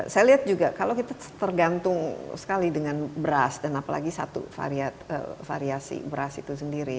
saya lihat juga kalau kita tergantung sekali dengan beras dan apalagi satu variasi beras itu sendiri